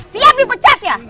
siap dipecat ya